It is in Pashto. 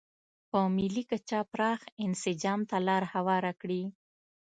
په ملي کچه پراخ انسجام ته لار هواره کړي.